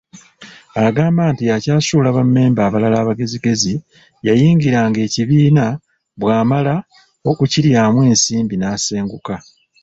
Agamba nti ekyasuula Bammemba abalala abagezigezi yayingiranga ekibiina, bw’amala okukiryamu ensimbi n’asenguka.